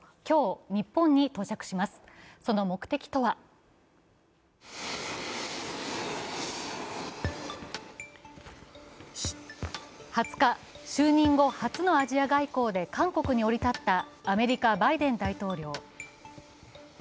２０日、就任後初のアジア外交で韓国に降り立ったアメリカ・バイデン大統領。